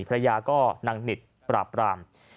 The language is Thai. ภรรยาก็นางหนิดปราบราม